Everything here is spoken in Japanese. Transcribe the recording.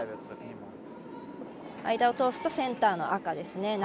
間を通すとセンターの赤ですね。